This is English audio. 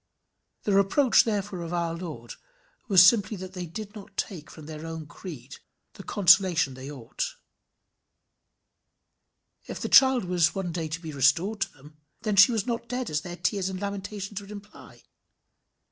The reproach therefore of our Lord was simply that they did not take from their own creed the consolation they ought. If the child was to be one day restored to them, then she was not dead as their tears and lamentations would imply.